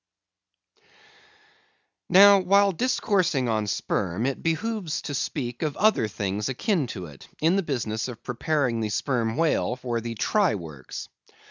Now, while discoursing of sperm, it behooves to speak of other things akin to it, in the business of preparing the sperm whale for the try works.